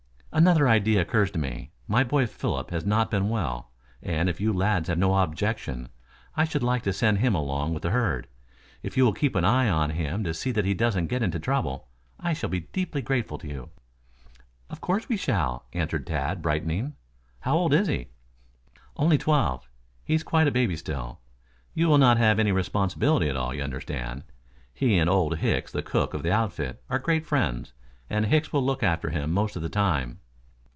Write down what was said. "Another idea occurs to me. My boy Philip has not been well, and if you lads have no objection, I should like to send him along with the herd. If you will keep an eye on him to see that he doesn't get into trouble, I shall be deeply grateful to you." "Of course we shall," answered Tad brightening. "How old is he?" "Only twelve. He's quite a baby still. You will not have any responsibility at all, you understand. He and Old Hicks the cook of the outfit, are great friends, and Hicks will look after him most of the time."